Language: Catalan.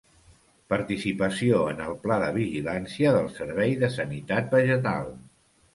Participació en el Pla de vigilància del Servei de Sanitat Vegetal.